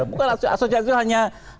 bukan asosiasi hanya